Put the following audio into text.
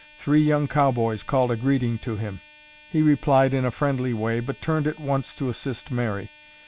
Three young cowboys called a greeting to him. He replied in a friendly way, but turned at once to assist Mary.